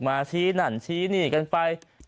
ชี้นั่นชี้นี่กันไป